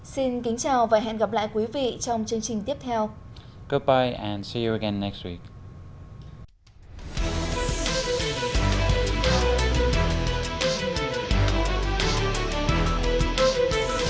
xin kính chào và hẹn gặp lại quý vị trong chương trình tiếp theo